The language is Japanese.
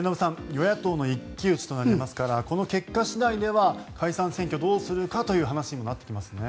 与野党の一騎打ちとなりますからこの結果次第では解散選挙どうするかという話にもなってきますから。